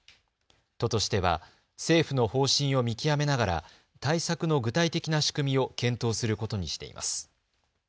都としては政府の方針を見極めながら対策の具体的な仕組みを検討することにしています。